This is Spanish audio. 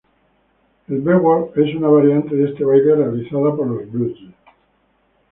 El B-Walk es una variante de este baile, realizada por los Bloods.